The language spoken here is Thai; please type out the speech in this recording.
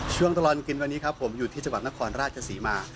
ช่วงตลอดกินวันนี้ครับผมอยู่ที่จังหวัดนครราชศรีมา